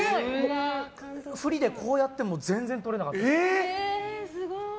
振りでこうやっても全然とれなかった。